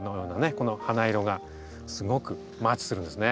この花色がすごくマッチするんですね。